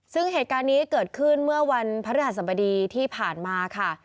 ซึ่งเหตุการณ์นี้เกิดขึ้นเมื่อวันพระราชสมดีที่ผ่านมาค่ะ